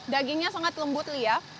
dagingnya sangat lembut lia